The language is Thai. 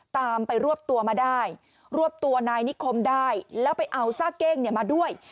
ตามไปรวบตัวมาได้รวบตัวนายนิคมได้แล้วไปเอาซากเก้งเนี่ยมาด้วย